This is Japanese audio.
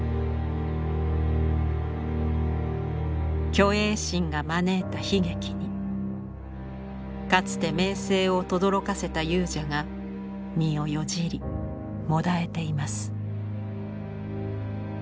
虚栄心が招いた悲劇にかつて名声をとどろかせた勇者が身をよじりもだえています。